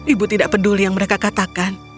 ibu tidak peduli yang mereka katakan